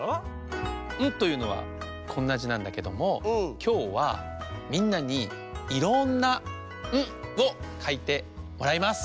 「ん」というのはこんな「じ」なんだけどもきょうはみんなにいろんな「ん」をかいてもらいます。